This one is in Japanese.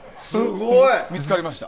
見つかりました。